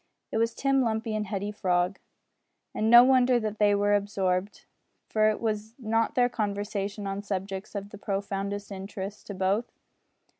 It was Tim Lumpy and Hetty Frog. And no wonder that they were absorbed, for was not their conversation on subjects of the profoundest interest to both?